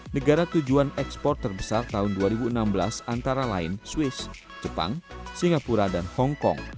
negara tujuan ekspor terbesar tahun dua ribu enam belas antara lain swiss jepang singapura dan hongkong